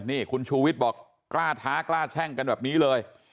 นี่คุณชูวิทย์บอกกล้าท้ากล้าแช่งกันแบบนี้เลย